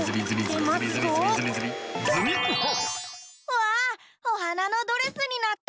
わあおはなのドレスになった！